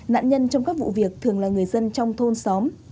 nạn nhân trong các vụ việc thường là người dân trong thôn xóm